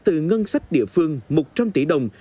từ ngân sách địa phương một trăm linh tỷ đồng